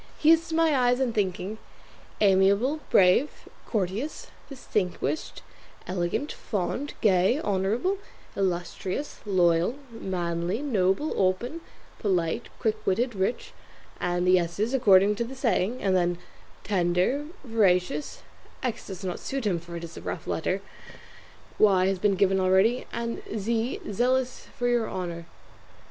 He is to my eyes and thinking, Amiable, Brave, Courteous, Distinguished, Elegant, Fond, Gay, Honourable, Illustrious, Loyal, Manly, Noble, Open, Polite, Quickwitted, Rich, and the S's according to the saying, and then Tender, Veracious: X does not suit him, for it is a rough letter; Y has been given already; and Z Zealous for your honour."